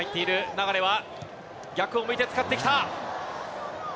流は、逆を向いて使ってきた。